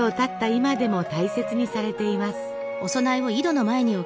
今でも大切にされています。